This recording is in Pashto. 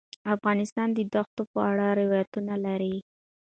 افغانستان د دښتو په اړه روایتونه لري.